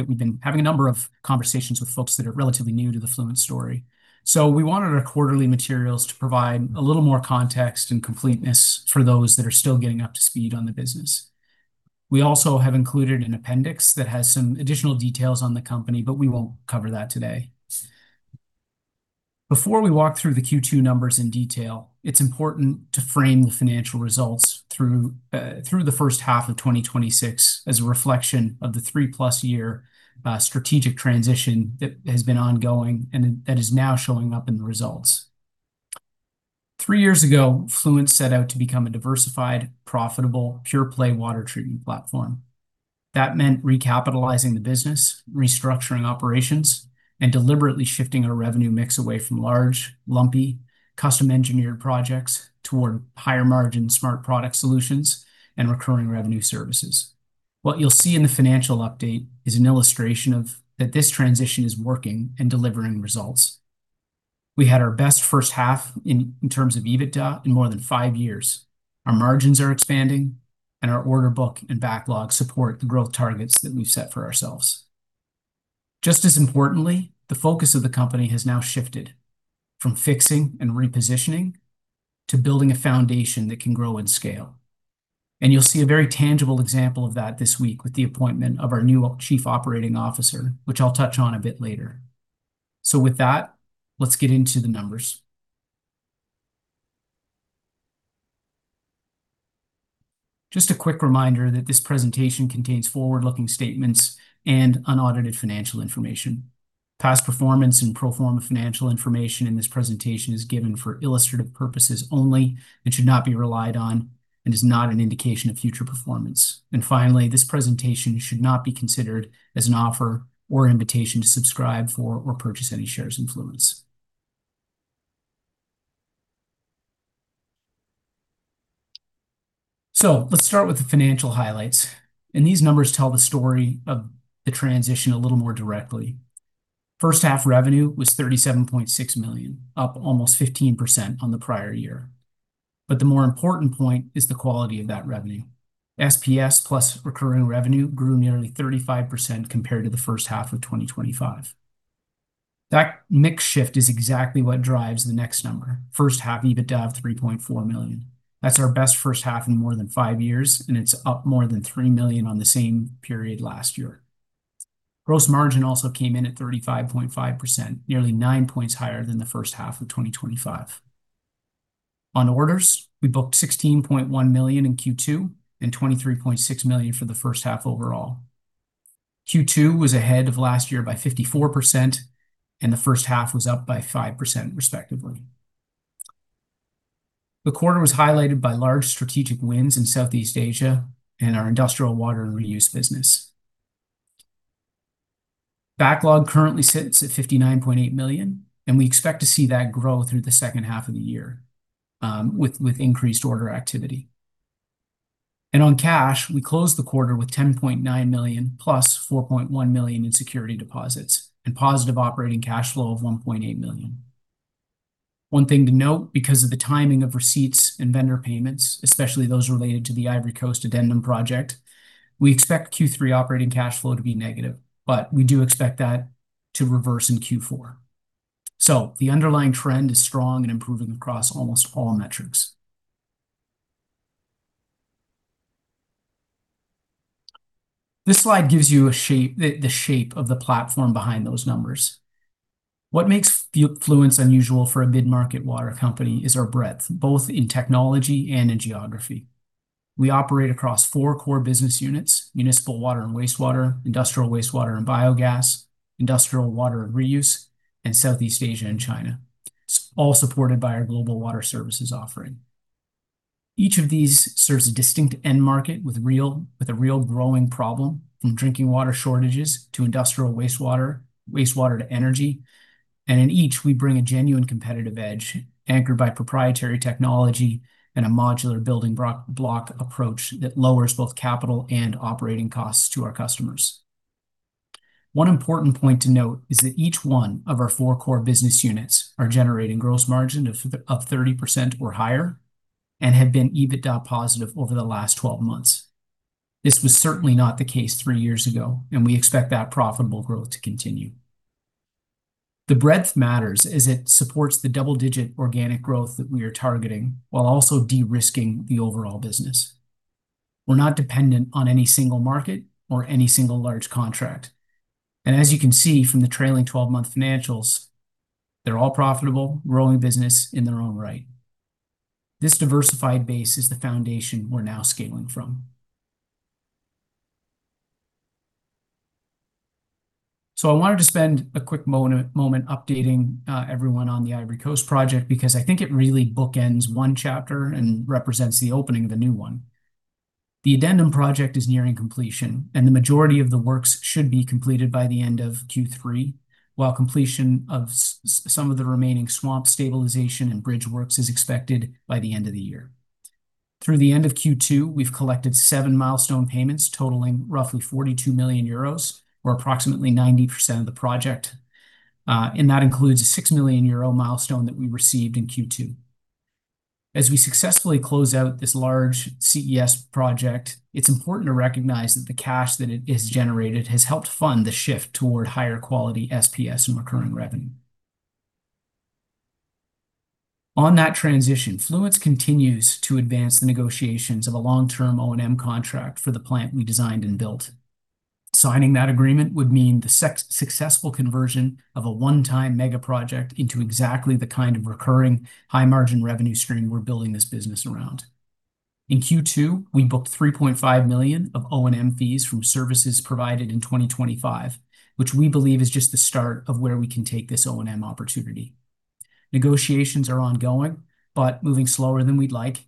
The fact that we've been having a number of conversations with folks that are relatively new to the Fluence story. We wanted our quarterly materials to provide a little more context and completeness for those that are still getting up to speed on the business. We also have included an appendix that has some additional details on the company, but we won't cover that today. Before we walk through the Q2 numbers in detail, it's important to frame the financial results through the first half of 2026 as a reflection of the three-plus year strategic transition that has been ongoing and that is now showing up in the results. Three years ago, Fluence set out to become a diversified, profitable, pure-play water treatment platform. That meant recapitalizing the business, restructuring operations, and deliberately shifting our revenue mix away from large, lumpy, custom-engineered projects toward higher-margin smart product solutions and recurring revenue services. What you'll see in the financial update is an illustration that this transition is working and delivering results. We had our best first half in terms of EBITDA in more than five years. Our margins are expanding, and our order book and backlog support the growth targets that we've set for ourselves. Just as importantly, the focus of the company has now shifted from fixing and repositioning to building a foundation that can grow and scale. You'll see a very tangible example of that this week with the appointment of our new Chief Operating Officer, which I'll touch on a bit later. With that, let's get into the numbers. Just a quick reminder that this presentation contains forward-looking statements and unaudited financial information. Past performance and pro forma financial information in this presentation is given for illustrative purposes only and should not be relied on and is not an indication of future performance. Finally, this presentation should not be considered as an offer or invitation to subscribe for or purchase any shares in Fluence. Let's start with the financial highlights. These numbers tell the story of the transition a little more directly. First half revenue was $37.6 million, up almost 15% on the prior year. The more important point is the quality of that revenue. SPS plus recurring revenue grew nearly 35% compared to the first half of 2025. That mix shift is exactly what drives the next number, first half EBITDA of $3.4 million. That's our best first half in more than five years, and it's up more than $3 million on the same period last year. Gross margin also came in at 35.5%, nearly 9 points higher than the first half of 2025. On orders, we booked $16.1 million in Q2 and $23.6 million for the first half overall. Q2 was ahead of last year by 54%, and the first half was up by 5%, respectively. The quarter was highlighted by large strategic wins in Southeast Asia and our industrial water and reuse business. Backlog currently sits at $59.8 million, and we expect to see that grow through the second half of the year with increased order activity. On cash, we closed the quarter with $10.9 million plus $4.1 million in security deposits and positive operating cash flow of $1.8 million. One thing to note, because of the timing of receipts and vendor payments, especially those related to the Ivory Coast Addendum project, we expect Q3 operating cash flow to be negative, but we do expect that to reverse in Q4. The underlying trend is strong and improving across almost all metrics. This slide gives you the shape of the platform behind those numbers. What makes Fluence unusual for a mid-market water company is our breadth, both in technology and in geography. We operate across four core business units, municipal water and wastewater, industrial wastewater and biogas, industrial water and reuse, and Southeast Asia and China, all supported by our global water services offering. Each of these serves a distinct end market with a real growing problem, from drinking water shortages to industrial wastewater to energy. In each, we bring a genuine competitive edge, anchored by proprietary technology and a modular building block approach that lowers both capital and operating costs to our customers. One important point to note is that each one of our four core business units are generating gross margin of 30% or higher and have been EBITDA positive over the last 12 months. This was certainly not the case three years ago, and we expect that profitable growth to continue. The breadth matters as it supports the double-digit organic growth that we are targeting while also de-risking the overall business. We're not dependent on any single market or any single large contract. As you can see from the trailing 12-month financials, they're all profitable, growing business in their own right. This diversified base is the foundation we're now scaling from. I wanted to spend a quick moment updating everyone on the Ivory Coast project because I think it really bookends one chapter and represents the opening of the new one. The Addendum project is nearing completion, and the majority of the works should be completed by the end of Q3, while completion of some of the remaining swamp stabilization and bridge works is expected by the end of the year. Through the end of Q2, we've collected seven milestone payments totaling roughly 42 million euros, or approximately 90% of the project, and that includes a 6 million euro milestone that we received in Q2. As we successfully close out this large CES project, it's important to recognize that the cash that it has generated has helped fund the shift toward higher quality SPS and recurring revenue. On that transition, Fluence continues to advance the negotiations of a long-term O&M contract for the plant we designed and built. Signing that agreement would mean the successful conversion of a one-time mega project into exactly the kind of recurring high-margin revenue stream we're building this business around. In Q2, we booked $3.5 million of O&M fees from services provided in 2025, which we believe is just the start of where we can take this O&M opportunity. Negotiations are ongoing, but moving slower than we'd like.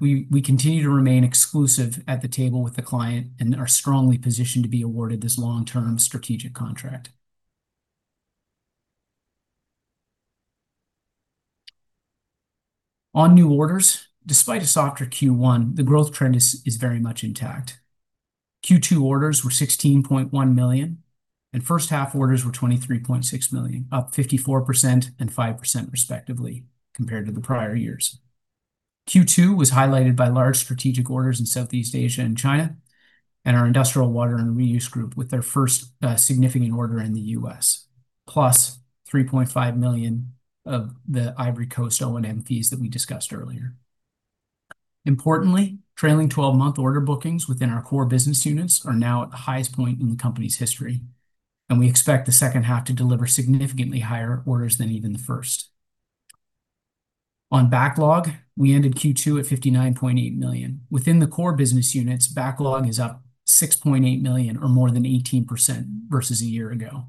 We continue to remain exclusive at the table with the client and are strongly positioned to be awarded this long-term strategic contract. On new orders, despite a softer Q1, the growth trend is very much intact. Q2 orders were $16.1 million, and first-half orders were $23.6 million, up 54% and 5%, respectively, compared to the prior years. Q2 was highlighted by large strategic orders in Southeast Asia and China. Our industrial water and reuse group with their first significant order in the U.S., plus $3.5 million of the Ivory Coast O&M fees that we discussed earlier. Importantly, trailing 12-month order bookings within our core business units are now at the highest point in the company's history. We expect the second half to deliver significantly higher orders than even the first. On backlog, we ended Q2 at $59.8 million. Within the core business units, backlog is up $6.8 million or more than 18% versus a year ago.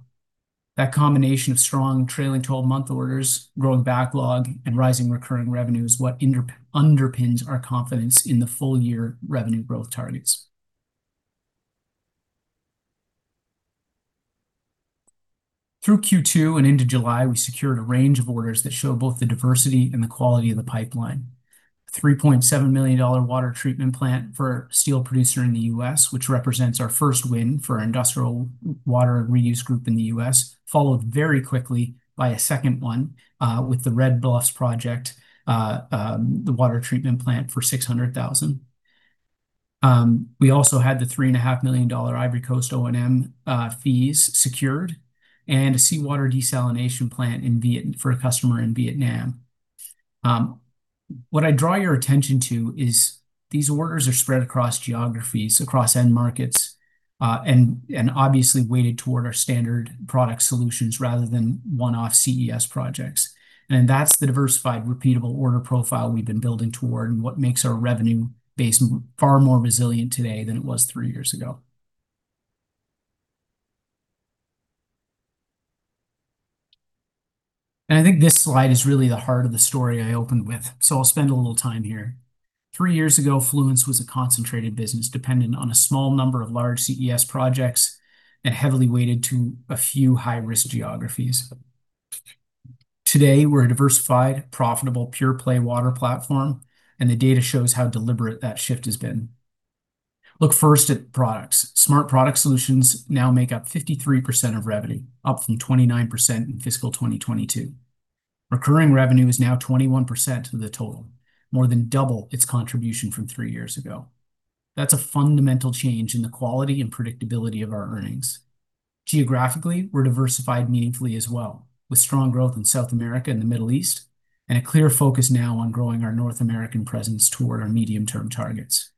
That combination of strong trailing 12-month orders, growing backlog, and rising recurring revenue is what underpins our confidence in the full-year revenue growth targets. Through Q2 and into July, we secured a range of orders that show both the diversity and the quality of the pipeline. $3.7 million water treatment plant for a steel producer in the U.S., which represents our first win for our industrial water and reuse group in the U.S., followed very quickly by a second one, with the Red Bluff project, the water treatment plant for $600,000. We also had the $3.5 million Ivory Coast O&M fees secured and a seawater desalination plant for a customer in Vietnam. What I draw your attention to is these orders are spread across geographies, across end markets, obviously weighted toward our standard product solutions rather than one-off CES projects. That's the diversified, repeatable order profile we've been building toward and what makes our revenue base far more resilient today than it was three years ago. I think this slide is really the heart of the story I opened with, I'll spend a little time here. Three years ago, Fluence was a concentrated business, dependent on a small number of large CES projects and heavily weighted to a few high-risk geographies. Today, we're a diversified, profitable, pure-play water platform, and the data shows how deliberate that shift has been. Look first at products. Smart product solutions now make up 53% of revenue, up from 29% in fiscal 2022. Recurring revenue is now 21% of the total, more than double its contribution from three years ago. That's a fundamental change in the quality and predictability of our earnings. Geographically, we're diversified meaningfully as well, with strong growth in South America and the Middle East, and a clear focus now on growing our North American presence toward our medium-term targets.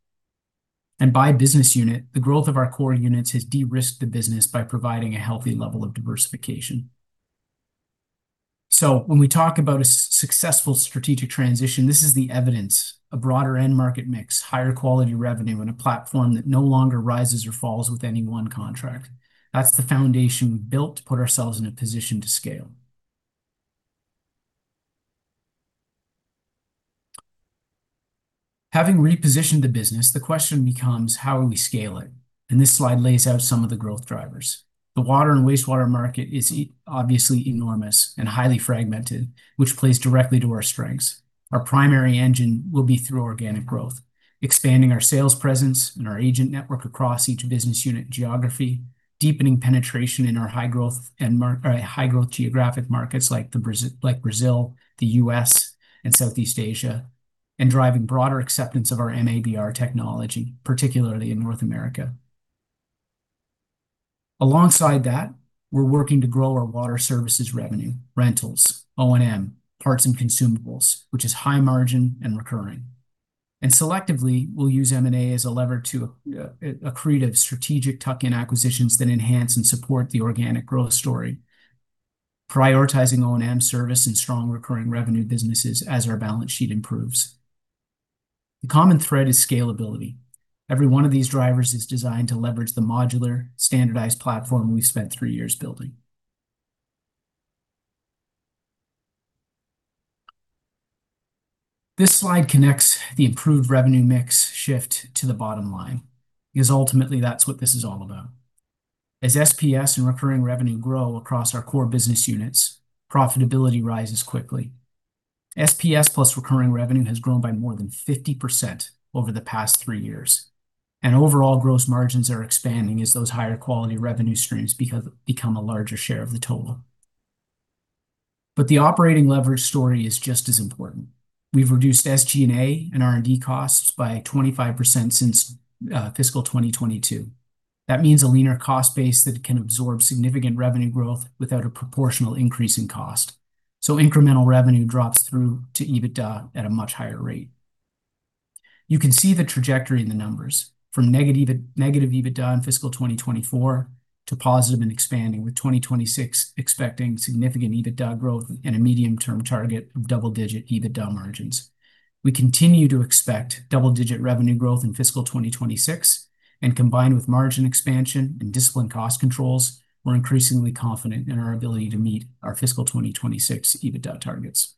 By business unit, the growth of our core units has de-risked the business by providing a healthy level of diversification. When we talk about a successful strategic transition, this is the evidence. A broader end market mix, higher quality revenue, and a platform that no longer rises or falls with any one contract. That's the foundation we built to put ourselves in a position to scale. Having repositioned the business, the question becomes, how do we scale it? This slide lays out some of the growth drivers. The water and wastewater market is obviously enormous and highly fragmented, which plays directly to our strengths. Our primary engine will be through organic growth, expanding our sales presence and our agent network across each business unit geography, deepening penetration in our high-growth geographic markets like Brazil, the U.S., and Southeast Asia, and driving broader acceptance of our MABR technology, particularly in North America. Alongside that, we're working to grow our water services revenue, rentals, O&M, parts and consumables, which is high margin and recurring. Selectively, we'll use M&A as a lever to accretive strategic tuck-in acquisitions that enhance and support the organic growth story, prioritizing O&M service and strong recurring revenue businesses as our balance sheet improves. The common thread is scalability. Every one of these drivers is designed to leverage the modular, standardized platform we've spent three years building. This slide connects the improved revenue mix shift to the bottom line, because, ultimately, that's what this is all about. As SPS and recurring revenue grow across our core business units, profitability rises quickly. SPS plus recurring revenue has grown by more than 50% over the past three years. Overall gross margins are expanding as those higher quality revenue streams become a larger share of the total. The operating leverage story is just as important. We've reduced SG&A and R&D costs by 25% since fiscal 2022. That means a leaner cost base that can absorb significant revenue growth without a proportional increase in cost. Incremental revenue drops through to EBITDA at a much higher rate. You can see the trajectory in the numbers from negative EBITDA in fiscal 2024 to positive and expanding, with 2026 expecting significant EBITDA growth and a medium-term target of double-digit EBITDA margins. We continue to expect double-digit revenue growth in fiscal 2026, and combined with margin expansion and disciplined cost controls, we're increasingly confident in our ability to meet our fiscal 2026 EBITDA targets.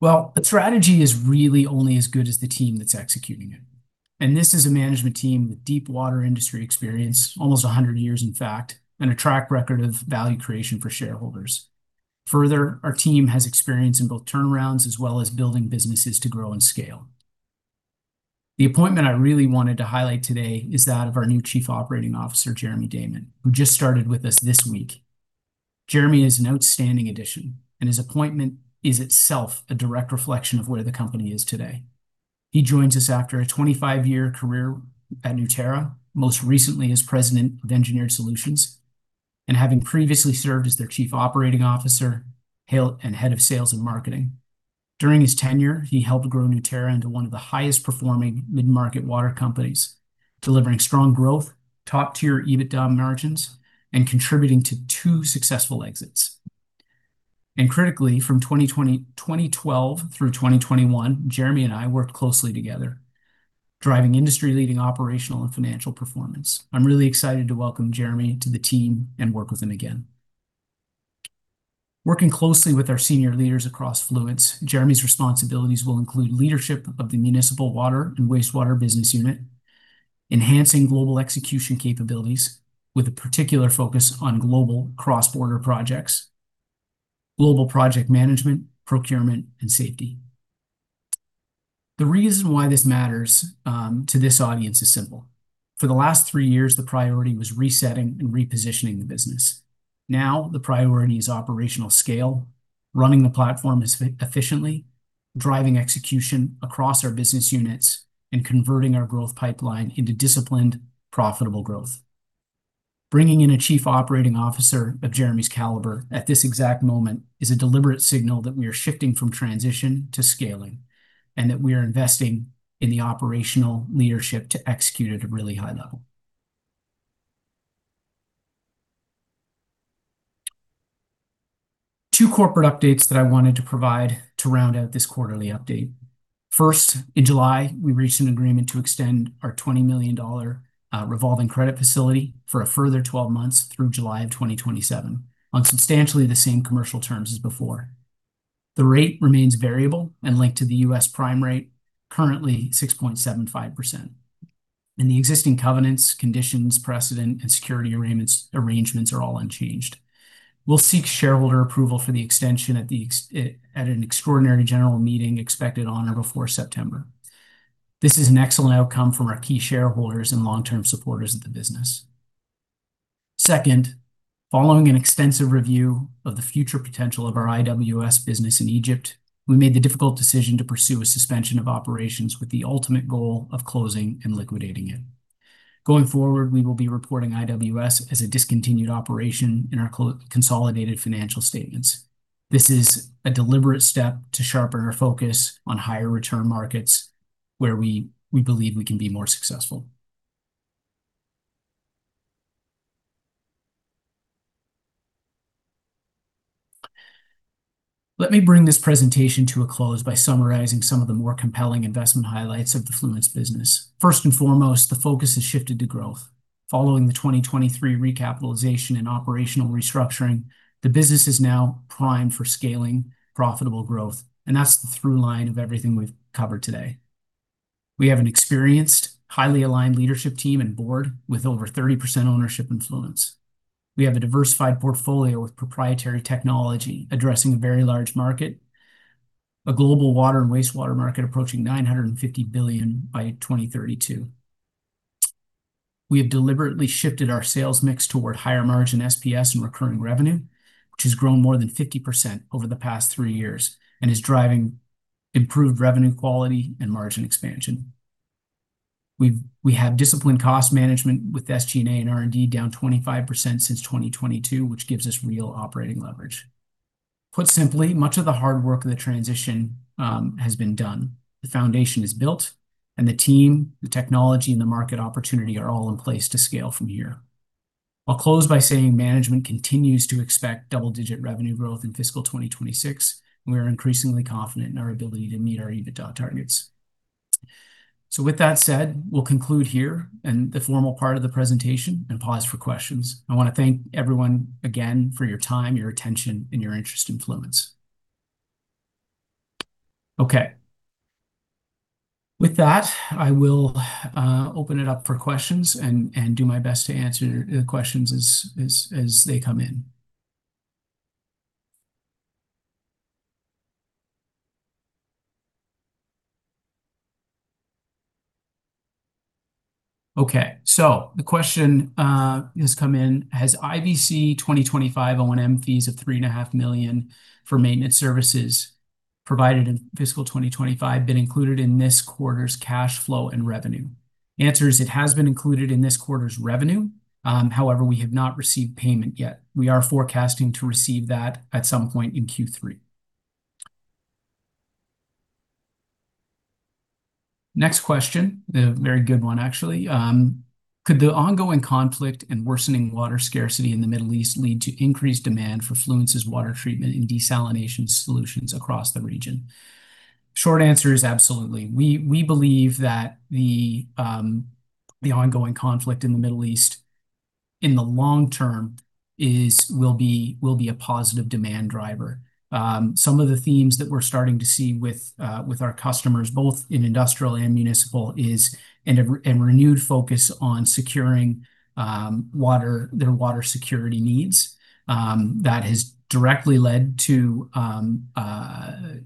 Well, the strategy is really only as good as the team that's executing it. This is a management team with deep water industry experience, almost 100 years in fact, and a track record of value creation for shareholders. Further, our team has experience in both turnarounds as well as building businesses to grow and scale. The appointment I really wanted to highlight today is that of our new Chief Operating Officer, Jeremy Dayment, who just started with us this week. Jeremy is an outstanding addition, and his appointment is itself a direct reflection of where the company is today. He joins us after a 25-year career at Newterra, most recently as President of Engineered Solutions, and having previously served as their Chief Operating Officer and Head of Sales and Marketing. During his tenure, he helped grow Newterra into one of the highest performing mid-market water companies, delivering strong growth, top-tier EBITDA margins, and contributing to two successful exits. Critically, from 2012 through 2021, Jeremy and I worked closely together, driving industry-leading operational and financial performance. I'm really excited to welcome Jeremy to the team and work with him again. Working closely with our senior leaders across Fluence, Jeremy's responsibilities will include leadership of the municipal water and wastewater business unit, enhancing global execution capabilities, with a particular focus on global cross-border projects, global project management, procurement, and safety. The reason why this matters to this audience is simple. For the last three years, the priority was resetting and repositioning the business. Now, the priority is operational scale, running the platform efficiently, driving execution across our business units, and converting our growth pipeline into disciplined, profitable growth. Bringing in a Chief Operating Officer of Jeremy's caliber at this exact moment is a deliberate signal that we are shifting from transition to scaling, and that we are investing in the operational leadership to execute at a really high level. Two corporate updates that I wanted to provide to round out this quarterly update. First, in July, we reached an agreement to extend our $20 million revolving credit facility for a further 12 months through July of 2027 on substantially the same commercial terms as before. The rate remains variable and linked to the U.S. prime rate, currently 6.75%. The existing covenants, conditions, precedent, and security arrangements are all unchanged. We'll seek shareholder approval for the extension at an extraordinary general meeting expected on or before September. This is an excellent outcome from our key shareholders and long-term supporters of the business. Second, following an extensive review of the future potential of our IWS business in Egypt, we made the difficult decision to pursue a suspension of operations with the ultimate goal of closing and liquidating it. Going forward, we will be reporting IWS as a discontinued operation in our consolidated financial statements. This is a deliberate step to sharpen our focus on higher return markets where we believe we can be more successful. Let me bring this presentation to a close by summarizing some of the more compelling investment highlights of the Fluence business. First and foremost, the focus has shifted to growth. Following the 2023 recapitalization and operational restructuring, the business is now primed for scaling profitable growth, and that's the through line of everything we've covered today. We have an experienced, highly aligned leadership team and board with over 30% ownership in Fluence. We have a diversified portfolio with proprietary technology addressing a very large market, a global water and wastewater market approaching $950 billion by 2032. We have deliberately shifted our sales mix toward higher margin SPS and recurring revenue, which has grown more than 50% over the past three years and is driving improved revenue quality and margin expansion. We have disciplined cost management with SG&A and R&D down 25% since 2022, which gives us real operating leverage. Put simply, much of the hard work of the transition has been done. The foundation is built, and the team, the technology, and the market opportunity are all in place to scale from here. I'll close by saying management continues to expect double-digit revenue growth in fiscal 2026, and we are increasingly confident in our ability to meet our EBITDA targets. With that said, we'll conclude here and the formal part of the presentation and pause for questions. I want to thank everyone again for your time, your attention, and your interest in Fluence. With that, I will open it up for questions and do my best to answer the questions as they come in. The question has come in. Has IVC 2025 O&M fees of $3.5 million for maintenance services provided in fiscal 2025 been included in this quarter's cash flow and revenue? Answer is, it has been included in this quarter's revenue. However, we have not received payment yet. We are forecasting to receive that at some point in Q3. Next question, a very good one, actually. Could the ongoing conflict and worsening water scarcity in the Middle East lead to increased demand for Fluence's water treatment and desalination solutions across the region? Short answer is, absolutely. We believe that the ongoing conflict in the Middle East, in the long term, will be a positive demand driver. Some of the themes that we're starting to see with our customers, both in industrial and municipal, is a renewed focus on securing their water security needs. That has directly led to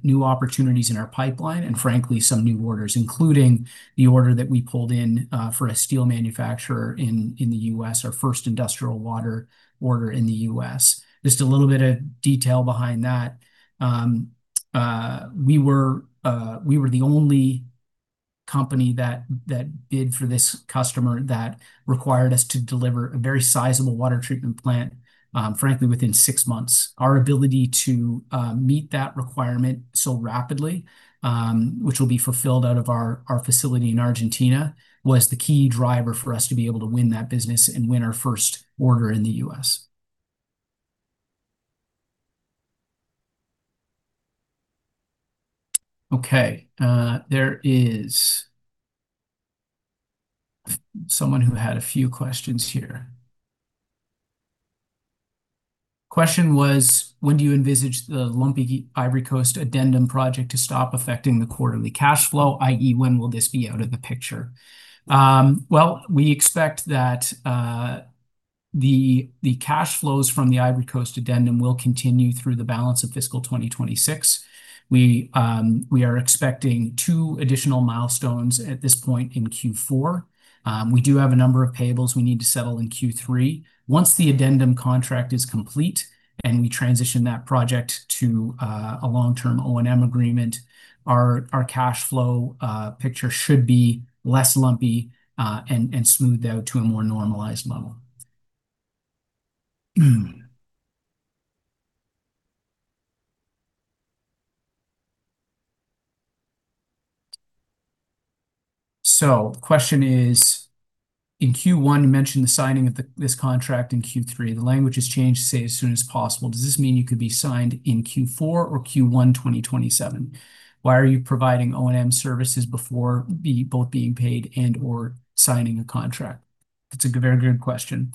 new opportunities in our pipeline and frankly, some new orders, including the order that we pulled in for a steel manufacturer in the U.S., our first industrial water order in the U.S. Just a little bit of detail behind that. We were the only company that bid for this customer that required us to deliver a very sizable water treatment plant, frankly, within six months. Our ability to meet that requirement so rapidly, which will be fulfilled out of our facility in Argentina, was the key driver for us to be able to win that business and win our first order in the U.S. There is someone who had a few questions here. When do you envisage the lumpy Ivory Coast Addendum project to stop affecting the quarterly cash flow, i.e., when will this be out of the picture? We expect that the cash flows from the Ivory Coast Addendum will continue through the balance of fiscal 2026. We are expecting two additional milestones at this point in Q4. We do have a number of payables we need to settle in Q3. Once the Addendum contract is complete and we transition that project to a long-term O&M agreement, our cash flow picture should be less lumpy and smooth out to a more normalized level. The question is, in Q1, you mentioned the signing of this contract in Q3. The language has changed to say as soon as possible. Does this mean you could be signed in Q4 or Q1 2027? Why are you providing O&M services before both being paid and/or signing a contract? That's a very good question.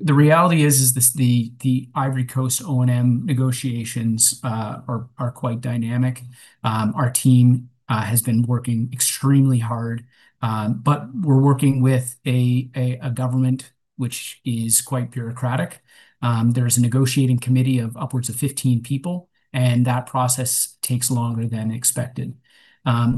The reality is the Ivory Coast O&M negotiations are quite dynamic. Our team has been working extremely hard, but we're working with a government which is quite bureaucratic. There is a negotiating committee of upwards of 15 people, and that process takes longer than expected.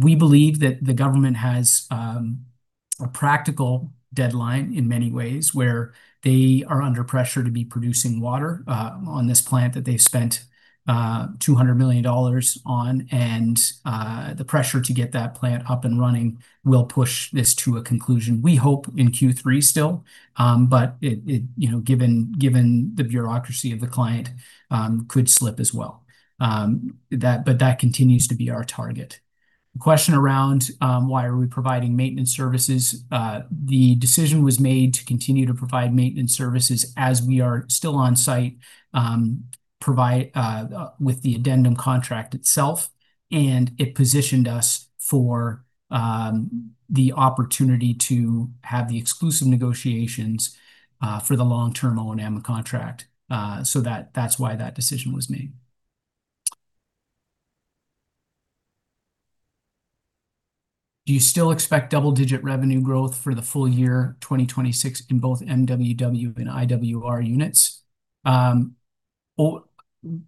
We believe that the government has a practical deadline in many ways, where they are under pressure to be producing water on this plant that they've spent $200 million on, and the pressure to get that plant up and running will push this to a conclusion. We hope in Q3 still, but given the bureaucracy of the client, could slip as well. But that continues to be our target. The question around why are we providing maintenance services, the decision was made to continue to provide maintenance services as we are still on site with the Addendum contract itself, and it positioned us for the opportunity to have the exclusive negotiations for the long-term O&M contract. That's why that decision was made. Do you still expect double-digit revenue growth for the full year 2026 in both MWW and IWR units?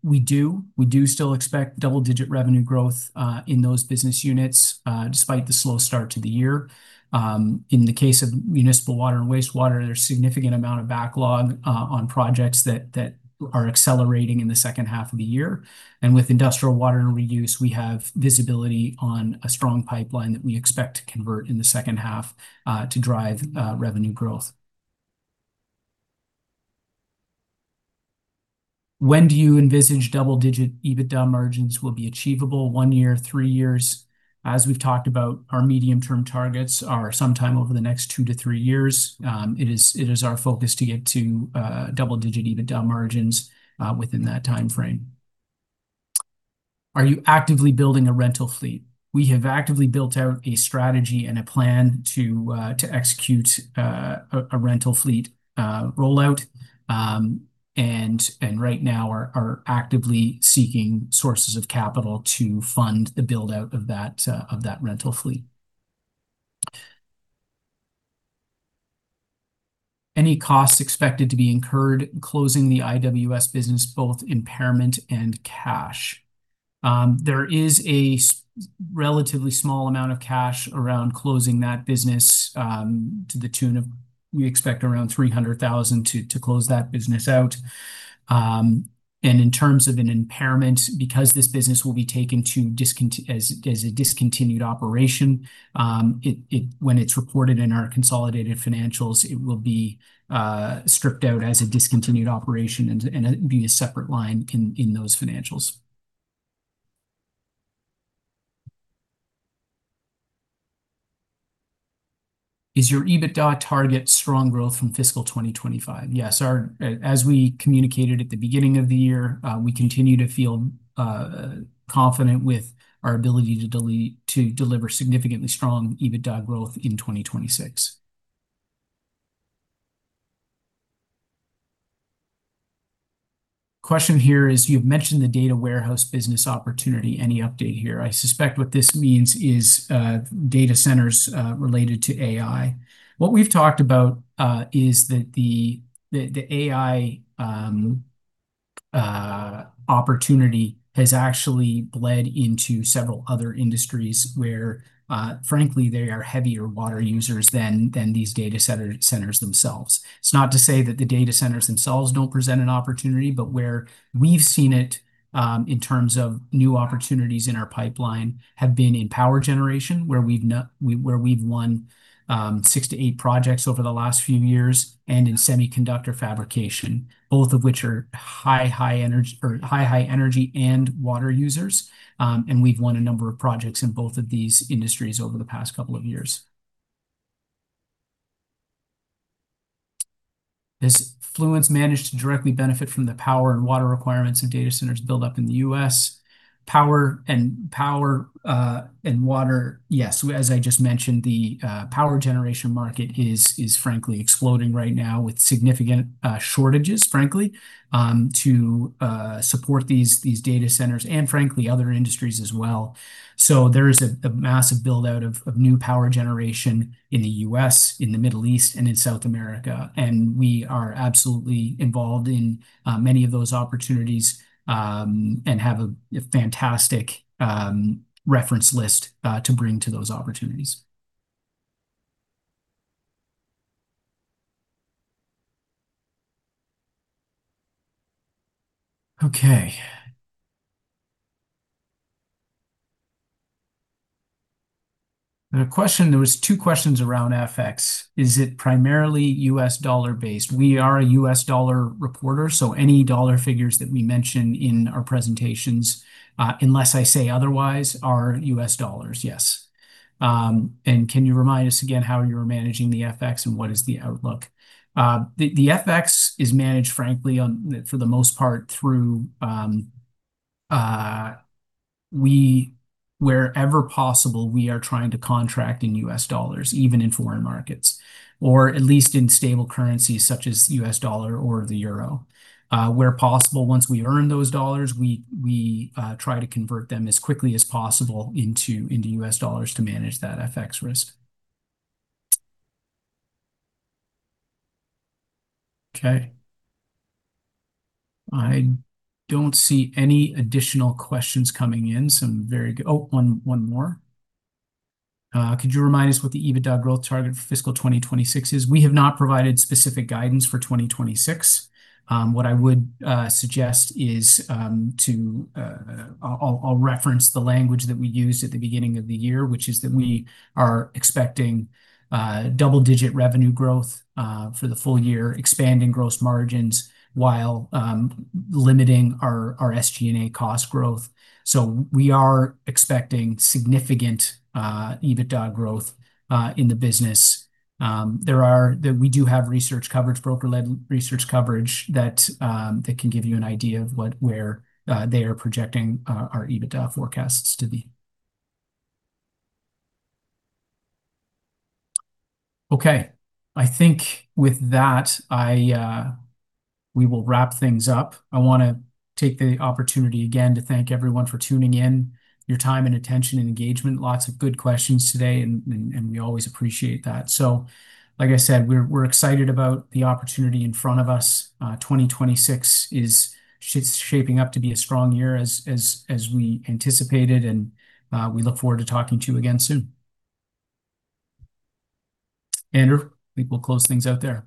We do still expect double-digit revenue growth in those business units, despite the slow start to the year. In the case of municipal water and wastewater, there's significant amount of backlog on projects that are accelerating in the second half of the year. With industrial water and reuse, we have visibility on a strong pipeline that we expect to convert in the second half to drive revenue growth. When do you envisage double-digit EBITDA margins will be achievable, one year, three years? As we've talked about, our medium-term targets are sometime over the next two to three years. It is our focus to get to double-digit EBITDA margins within that timeframe. Are you actively building a rental fleet? We have actively built out a strategy and a plan to execute a rental fleet rollout. Right now, are actively seeking sources of capital to fund the build-out of that rental fleet. Any costs expected to be incurred closing the IWS business, both impairment and cash? There is a relatively small amount of cash around closing that business, to the tune of, we expect around $300,000 to close that business out. In terms of an impairment, because this business will be taken as a discontinued operation when it's reported in our consolidated financials, it will be stripped out as a discontinued operation and be a separate line in those financials. Is your EBITDA target strong growth from fiscal 2025? Yes. As we communicated at the beginning of the year, we continue to feel confident with our ability to deliver significantly strong EBITDA growth in 2026. Question here is, you've mentioned the data warehouse business opportunity. Any update here? I suspect what this means is data centers related to AI. What we've talked about is that the AI opportunity has actually bled into several other industries where, frankly, they are heavier water users than these data centers themselves. It's not to say that the data centers themselves don't present an opportunity, but where we've seen it in terms of new opportunities in our pipeline have been in power generation, where we've won six to eight projects over the last few years, and in semiconductor fabrication, both of which are high, high energy and water users. We've won a number of projects in both of these industries over the past couple of years. Has Fluence managed to directly benefit from the power and water requirements of data centers built up in the U.S.? Power and water, yes. As I just mentioned, the power generation market is frankly exploding right now with significant shortages to support these data centers and other industries as well. There is a massive build-out of new power generation in the U.S., in the Middle East, and in South America, and we are absolutely involved in many of those opportunities, and have a fantastic reference list to bring to those opportunities. There was two questions around FX. Is it primarily U.S. dollar-based? We are a U.S. dollar reporter, so any dollar figures that we mention in our presentations, unless I say otherwise, are U.S. dollars. Yes. Can you remind us again how you're managing the FX and what is the outlook? The FX is managed, frankly, for the most part, through wherever possible, we are trying to contract in U.S. dollars, even in foreign markets, or at least in stable currencies such as the U.S. dollar or the euro. Where possible, once we earn those dollars, we try to convert them as quickly as possible into U.S. dollars to manage that FX risk. I don't see any additional questions coming in. Some very good. One more. Could you remind us what the EBITDA growth target for fiscal 2026 is? We have not provided specific guidance for 2026. What I would suggest is, I'll reference the language that we used at the beginning of the year, which is that we are expecting double-digit revenue growth for the full year, expanding gross margins while limiting our SG&A cost growth. We are expecting significant EBITDA growth in the business We do have research coverage, broker-led research coverage that can give you an idea of where they are projecting our EBITDA forecasts to be. I think with that, we will wrap things up. I want to take the opportunity again to thank everyone for tuning in, your time and attention and engagement. Lots of good questions today and we always appreciate that. Like I said, we're excited about the opportunity in front of us. 2026 is shaping up to be a strong year as we anticipated, and we look forward to talking to you again soon. Andrew, I think we'll close things out there.